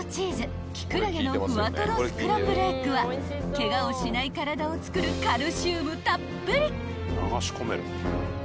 ［ケガをしない体をつくるカルシウムたっぷり］